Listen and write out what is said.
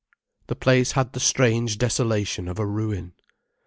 The place had the strange desolation of a ruin.